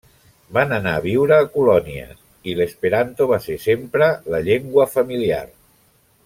Van anar a viure a Colònia i l'esperanto va ser sempre la llengua familiar.